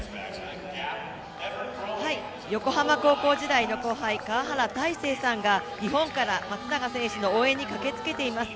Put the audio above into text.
横浜高校時代の後輩カワハラさんが、日本から、松永選手の応援に駆けつけています。